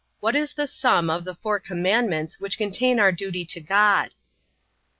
What is the sum of the four commandments which contain our duty to God? A.